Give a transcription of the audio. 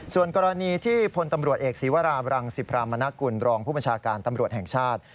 ส่วนกรณีที่พลตำรวจเอกศีวราบรังสิพรามณกุลรองผู้บัญชาการตำรวจแห่งชาติ